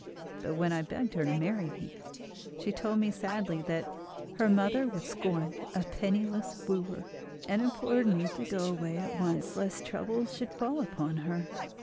But when I begged her to marry me, she told me sadly that her mother would scorn a penniless wooer, and implored me to go away at once, lest trouble should fall upon her.